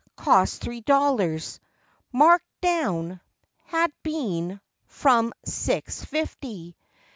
Cost three dollars— Markt down, had been, from six fifty.